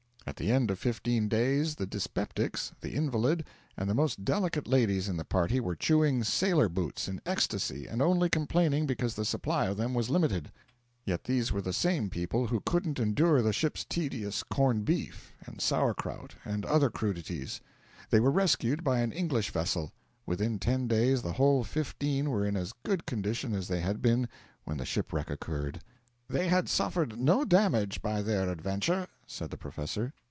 At the end of fifteen days the dyspeptics, the invalid, and the most delicate ladies in the party were chewing sailor boots in ecstasy, and only complaining because the supply of them was limited. Yet these were the same people who couldn't endure the ship's tedious corned beef and sour kraut and other crudities. They were rescued by an English vessel. Within ten days the whole fifteen were in as good condition as they had been when the shipwreck occurred. 'They had suffered no damage by their adventure,' said the professor.